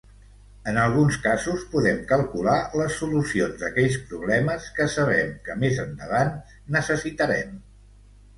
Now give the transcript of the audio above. En alguns casos, podem calcular les solucions d'aquells problemes que sabem que més endavant necessitarem.